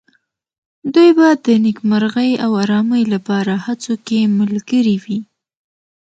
دوی به د نېکمرغۍ او آرامۍ لپاره هڅو کې ملګري وي.